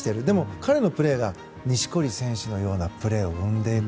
彼のプレーが錦織選手のようなプレーを生んでいく。